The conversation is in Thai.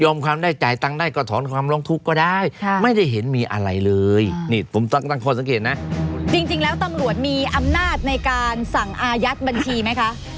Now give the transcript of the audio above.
ยอมความได้จ่ายตังได้ก็ถอนความร้องทุกข์ก็ได้ค่ะไม่ได้เห็นมีอะไรเลยนี่ผมตั้งตั้งคนสังเกตน่ะจริงจริงแล้วตำรวจมีอำหน้าในการสั่งอายัดบัญชีไหมคะ